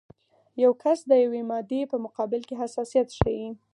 یو کس د یوې مادې په مقابل کې حساسیت ښیي.